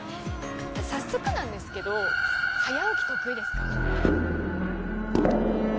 早速なんですけど早起き得意ですか？